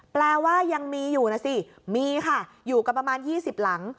แปลว่ายังมีอยู่นะสิมีค่ะอยู่กันประมาณ๒๐หลัง